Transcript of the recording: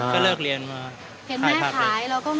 ก็เลิกเรียนมาขายผักเลย